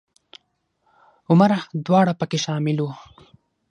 عمره دواړه په کې شامل وو.